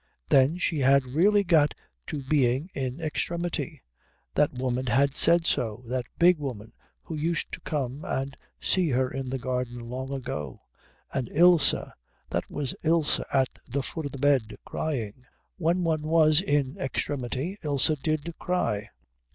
Then she had really got to being in extremity. That woman had said so, that big woman who used to come and see her in the garden long ago. And Ilse that was Ilse at the foot of the bed crying. When one was in extremity Ilse did cry.